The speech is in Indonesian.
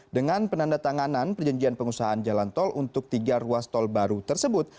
dengan penandatanganan perjanjian pengusahaan jalan tol untuk tiga ruas tol baru tersebut